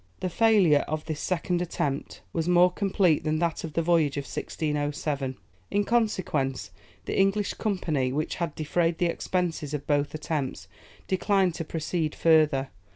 The failure of this second attempt was more complete than that of the voyage of 1607. In consequence, the English Company, which had defrayed the expenses of both attempts, declined to proceed further.